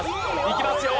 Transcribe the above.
いきますよ。